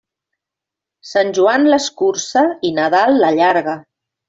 Sant Joan l'escurça i Nadal l'allarga.